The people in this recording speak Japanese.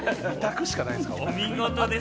お見事です！